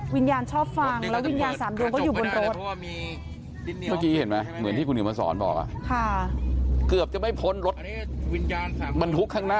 วิญญาณชอบฟังแล้ววิญญาณสามดวงก็อยู่บนรถ